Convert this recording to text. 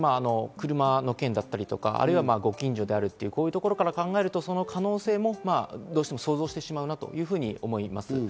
車の件やご近所であるというところから考えると、その可能性もどうしても想像してしまうなと思います。